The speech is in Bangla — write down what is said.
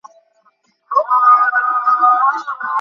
বেদান্তের উপর বহু ভাষ্যাদি রচিত হইয়াছে।